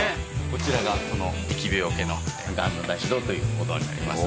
こちらがその疫病除けの元三大師堂というお堂になります。